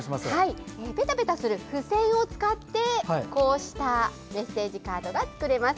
ぺたぺたする付せんを使ってこうしたメッセージカードが作れます。